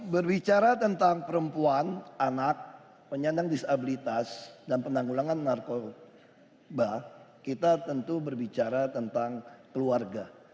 berbicara tentang perempuan anak penyandang disabilitas dan penanggulangan narkoba kita tentu berbicara tentang keluarga